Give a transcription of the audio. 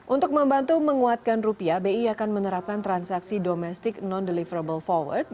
untuk membantu menguatkan rupiah bi akan menerapkan transaksi domestic non deliverable forward